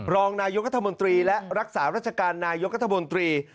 รองนายกรัฐมนตรีและรักษาราชการนายกรัฐมนตรี